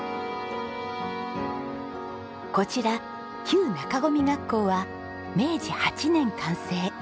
こちら旧中込学校は明治８年完成。